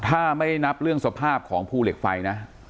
ถ้าไม่นับเรื่องสภาพของภูเหล็กไฟนะ